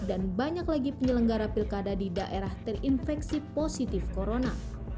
dan banyak lagi penyelenggara pilkada di daerah terinfeksi positif corona